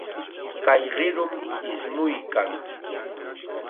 Kay qirum ismuykan.